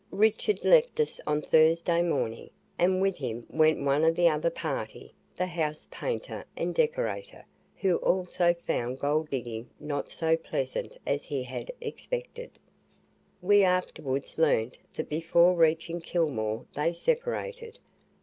Richard left us on Thursday morning, and with him went one of the other party, the house painter and decorator, who also found gold digging not so Pleasant as he had expected. We afterwards learnt that before reaching Kilmore they separated.